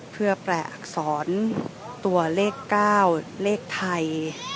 เพื่อแปลอักษรตัวเลข๙เลขไทย